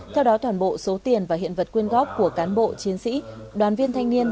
theo đó toàn bộ số tiền và hiện vật quyên góp của cán bộ chiến sĩ đoàn viên thanh niên